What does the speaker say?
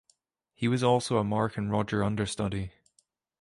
He was also a Mark and Roger understudy.